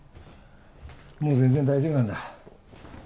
もう全然大丈夫なんだ